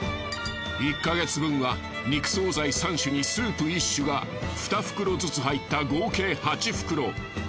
１か月分は肉惣菜３種にスープ１種が２袋ずつ入った合計８袋。